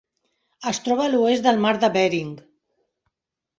Es troba a l'oest del Mar de Bering.